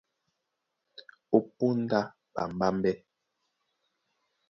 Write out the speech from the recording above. Ó póndá ɓambámbɛ́,